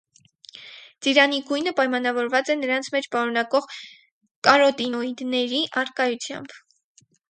Ծիրանի գույնը պայմանավորված է նրանց մեջ պարունակվող կարոտինոիդների առկայությամբ։